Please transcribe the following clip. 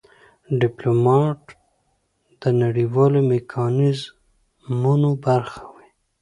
ډيپلومات د نړېوالو میکانیزمونو برخه وي.